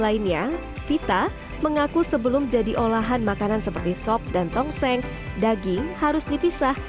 lainnya vita mengaku sebelum jadi olahan makanan seperti sop dan tongseng daging harus dipisah